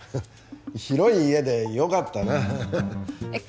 広い家でよかったなえっ